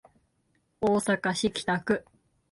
大阪市北区